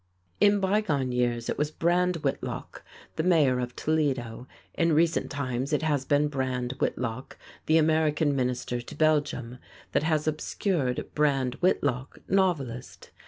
JESSE LYNCH WILLIAMS] In by gone years it was Brand Whitlock, the Mayor of Toledo; in recent times it has been Brand Whitlock, the American Minister to Belgium, that has obscured Brand Whitlock, novelist.